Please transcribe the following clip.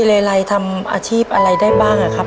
เลไลทำอาชีพอะไรได้บ้างครับ